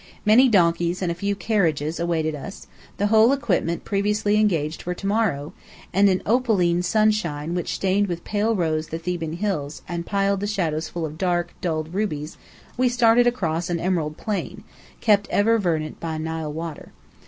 Many donkeys and a few carriages awaited us: the whole equipment previously engaged for to morrow! and in opaline sunshine which stained with pale rose the Theban hills and piled the shadows full of dark, dulled rubies, we started across an emerald plain, kept ever verdant by Nile water.